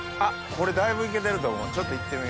これだいぶいけてると思うちょっといってみよう。